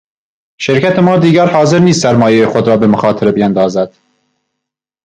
شرکت ما دیگر حاضر نیست سرمایهی خود را به مخاطره بیاندازد.